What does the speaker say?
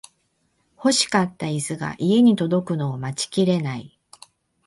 欲しかったイスが家に届くのを待ちきれない